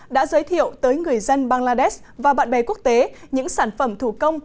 đã giới thiệu tới người dân bangladesh và bạn bè quốc tế những sản phẩm thủ công